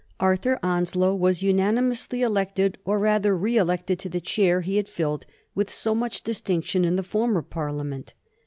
Arthur Onslow was unanimously elected^ or rather re elected, to the chair he had filled with so much distinction in the former Parliament.